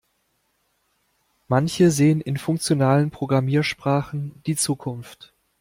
Manche sehen in funktionalen Programmiersprachen die Zukunft.